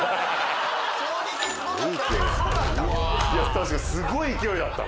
確かにすごい勢いだった。